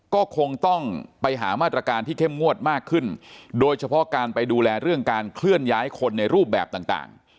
ก็คงต้องไปหามาตรการที่เข้มงวดมากขึ้นโดยเฉพาะการไปดูแลเรื่องการเคลื่อนย้ายคนในรูปแบบต่าง